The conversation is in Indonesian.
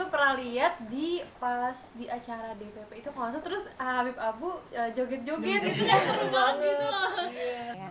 pernah liat di pas di acara dpp itu kalau ntar terus habib abu joget joget gitu